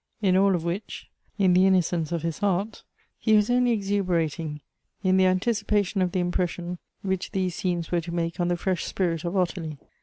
in all of which, in the innocence of his heart, he was only exubera ting in the anticipation of 'the impression which these scenes were to make on the fresh spirit of Ottilie.